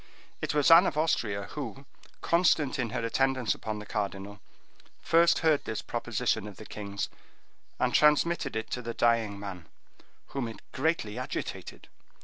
It was Anne of Austria, who, constant in her attendance upon the cardinal, first heard this proposition of the king's, and transmitted it to the dying man, whom it greatly agitated.